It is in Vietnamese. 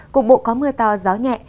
cục bộ có mưa to gió nhẹ